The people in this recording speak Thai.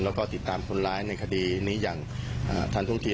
แล้วก็ติดตามคนร้ายในคดีนี้อย่างทันท่วงที